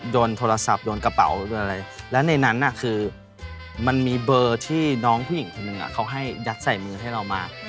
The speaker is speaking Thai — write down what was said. โดนโทรศัพท์โดนกระเป๋าโดนอะไรและในนั้นคือมันมีเบอร์ที่น้องผู้หญิงคนหนึ่งเขาให้ยัดใส่มือให้เรามา